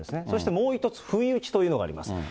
そしてもう１つ、不意打ちというのがあります。